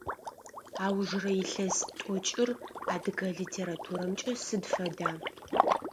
Аужрэ илъэс тӏокӏыр адыгэ литературэмкӏэ сыд фэда?